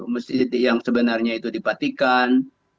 masjid yang sebenarnya itu dipatikan